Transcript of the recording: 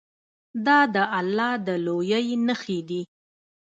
دا د الله د لویۍ نښې دي.